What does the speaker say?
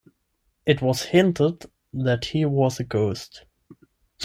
It was hinted that he was a ghost.